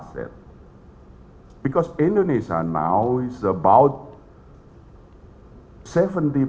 karena di indonesia sekarang